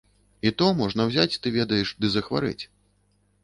І то можна узяць, ты ведаеш, ды захварэць.